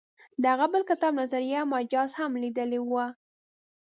د هغه بل کتاب نظریه مجاز هم لیدلی و.